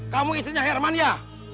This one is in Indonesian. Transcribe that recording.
kamu istrinya herman ya